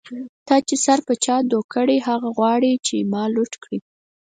تا چی سر په چا دو کړۍ، هغه غواړی چی ما لوټ کړی